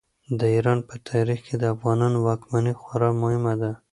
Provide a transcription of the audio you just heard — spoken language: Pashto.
د ایران په تاریخ کې د افغانانو واکمني خورا مهمه ده.